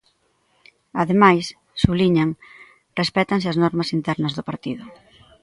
Ademais, subliñan, "respéctanse" as normas internas do partido.